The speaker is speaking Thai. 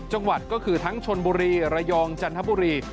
จังหวัดก็คือทั้งชนบุรีระยองจันทบุรี